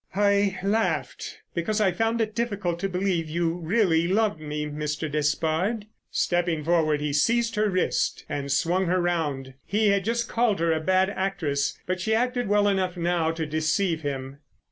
"I laughed because I found it difficult to believe you really loved me, Mr. Despard." Stepping forward he seized her wrist and swung her round. He had just called her a bad actress, but she acted well enough now to deceive him.